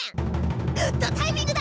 グッドタイミングだ！